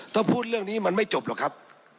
ถ้าพูดเรื่องนี้มันไม่จบหรอกครับ